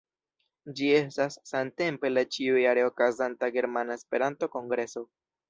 Ĝi estas samtempe la ĉiujare okazanta Germana Esperanto-Kongreso.